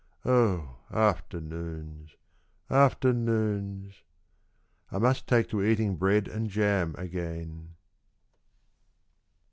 Oh Afternoons, Afternoons ...! I must take to eating bread and jam again.